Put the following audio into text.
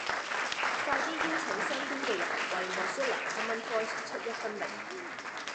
快啲邀請身邊嘅人為 Mozilla common voice 出一分力